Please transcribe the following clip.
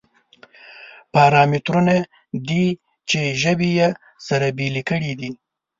پارامترونه دي چې ژبې یې سره بېلې کړې دي.